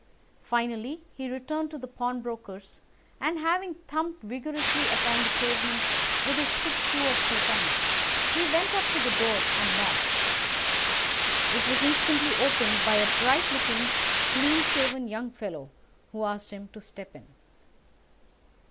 Finally he returned to the pawnbroker's, and, having thumped vigorously upon the pavement with his stick two or three times, he went up to the door and knocked. It was instantly opened by a bright looking, clean shaven young fellow, who asked him to step in.